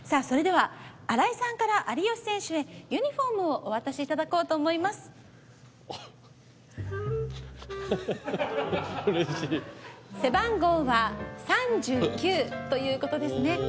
それでは新井さんから有吉選手へユニフォームをお渡しいただこうと思いますおっ嬉しい背番号は３９ということですね